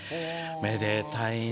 めでたいね。